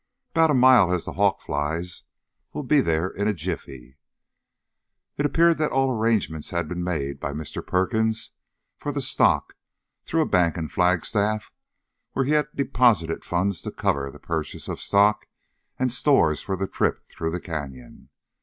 "'Bout a mile as the hawk flies. We'll be there in a jiffy." It appeared that all arrangements had been made by Mr. Perkins for the stock, through a bank in Flagstaff, where he had deposited funds to cover the purchase of stock and stores for the trip through the Canyon.